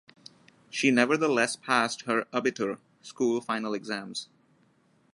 She nevertheless passed her "Abitur" (school final exams).